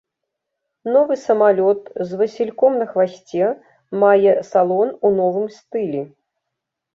Новы самалёт з васільком на хвасце мае салон у новым стылі.